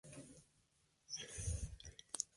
La cabecera del condado es Monmouth.